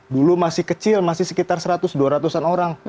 dulu masih kecil masih sekitar seratus dua ratus an orang